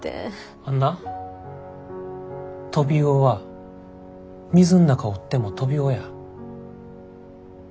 あんなトビウオは水ん中おってもトビウオや。